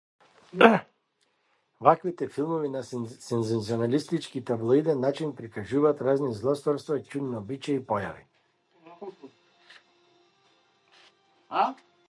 Ваквите филмови на сензационалистички и таблоиден начин прикажуваат разни злосторства, чудни обичаи и појави.